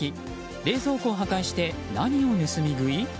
冷蔵庫を破壊して何を盗み食い？